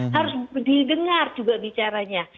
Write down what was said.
harus didengar juga bicaranya